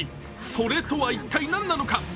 「それ」とは一体なのか。